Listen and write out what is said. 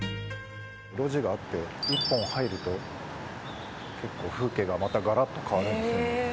路地があって１本入ると結構、風景がまたガラッと変わるんです。